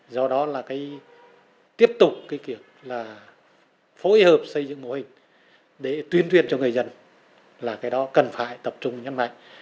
do đó là cái tiếp tục cái việc là phối hợp xây dựng mô hình để tuyên truyền cho người dân là cái đó cần phải tập trung nhân mạnh